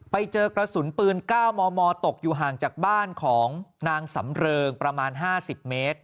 ไปเจอกระสุนปืน๙มมตกอยู่ห่างจากบ้านของนางสำเริงประมาณ๕๐เมตร